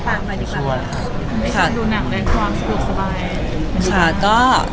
ไม่ใช่ดูหนังด้วยความสบาย